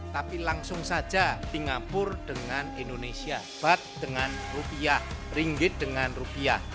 tapi langsung saja singapura dengan indonesia bat dengan rupiah ringgit dengan rupiah